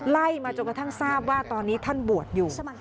ไล่มาจนกระทั่งทราบว่าตอนนี้ท่านบวชอยู่